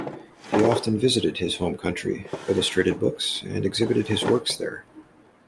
He often visited his home country, illustrated books, and exhibited his works there.